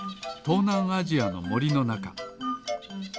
うなんアジアのもりのなか。